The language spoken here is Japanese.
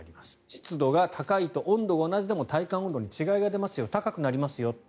湿度が高いと温度が同じでも体感温度に違いが出ますよ高くなりますよと。